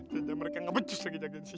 tidak ada yang ngebencus lagi jagain shaina